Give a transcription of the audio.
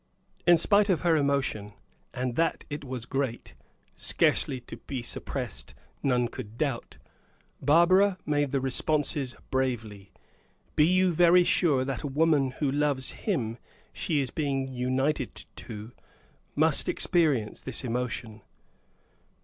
In spite of her emotion and that it was great, scarcely to be suppressed, none could doubt Barbara made the responses bravely. Be you very sure that a woman who loves him she is being united to, must experience this emotion.